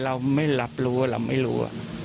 เราไม่รับรู้ว่าเราไม่รู้